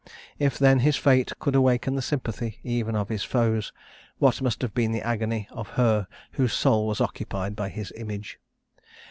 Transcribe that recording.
If, then, his fate could awaken the sympathy even of his foes, what must have been the agony of her whose soul was occupied by his image!